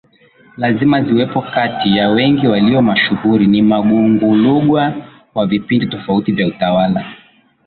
lazima ziwepoKati ya wengi walio mashuhuri ni Magungulugwa wa vipindi tofauti vya utawala